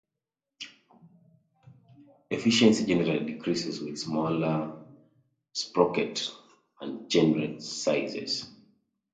Efficiency generally decreases with smaller sprocket and chainring sizes.